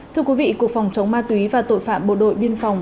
thưa quý vị cục phòng chống ma túy và tội phạm bộ đội biên phòng